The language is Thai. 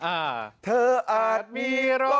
คุณผู้ชมถามมาในไลฟ์ว่าเขาขอฟังเหตุผลที่ไม่ให้จัดอีกที